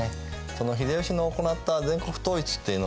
その秀吉の行った全国統一っていうのはですね